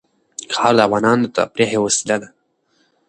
خاوره د افغانانو د تفریح یوه وسیله ده.